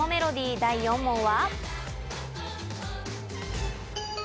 第４問は。